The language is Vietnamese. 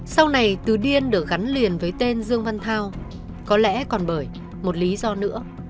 sau này từ điên được gắn liền với tên dương văn thao có lẽ còn bởi một lý do nữa